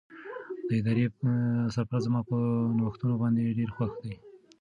د ادارې سرپرست زما په نوښتونو باندې ډېر خوښ دی.